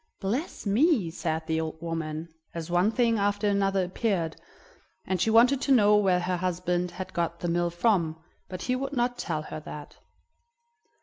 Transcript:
"Bless me!" said the old woman as one thing after another appeared; and she wanted to know where her husband had got the mill from, but he would not tell her that.